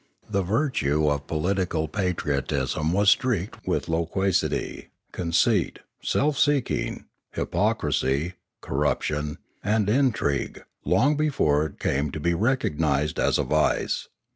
The virtue of poli tical patriotism was streaked with loquacity, conceit, self seeking, hypocrisy, corruption, and intrigue, long before it came to be recognised as a vice.